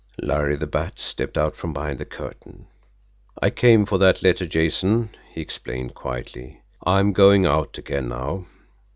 Larry the Bat stepped out from behind the curtain. "I came for that letter, Jason," he explained quietly. "I am going out again now.